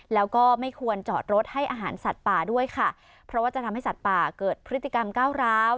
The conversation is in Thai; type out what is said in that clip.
แล้วก็ไม่ควรจอดรถให้อาหารสัตว์ป่าด้วยค่ะเพราะว่าจะทำให้สัตว์ป่าเกิดพฤติกรรมก้าวร้าว